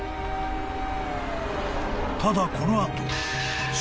［ただこの後］